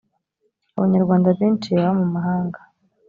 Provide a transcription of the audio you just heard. abanyarwanda beshi baba mumahanga.